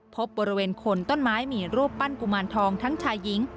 พบบริเวณคนต้นไม้มีรูปปั้นกุมารทองทั้งชายหญิง